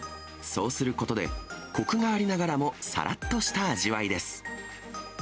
そうすることで、こくがありながらもさらっとした味わいです。